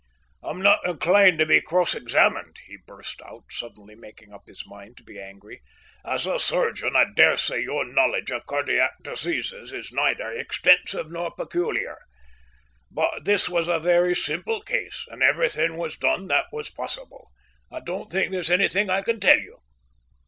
"I'm not inclined to be cross examined," he burst out, suddenly making up his mind to be angry. "As a surgeon I daresay your knowledge of cardiac diseases is neither extensive nor peculiar. But this was a very simple case, and everything was done that was possible. I don't think there's anything I can tell you."